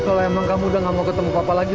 kalau emang kamu udah gak mau ketemu papa lagi